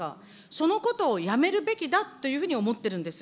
そのことをやめるべきだというふうに思ってるんです。